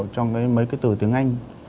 trong mấy cái từ tiếng anh